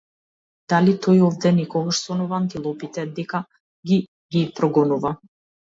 Дали тој овде некогаш сонува антилопите дека ги ги прогонува?